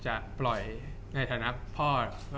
จากความไม่เข้าจันทร์ของผู้ใหญ่ของพ่อกับแม่